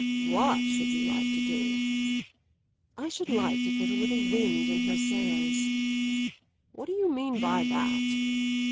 "What should you like to do?" "I should like to put a little wind in her sails." "What do you mean by that?"